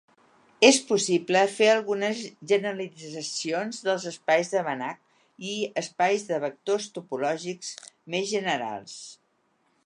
És possible fer algunes generalitzacions dels espais de Banach i espais de vectors topològics més generals.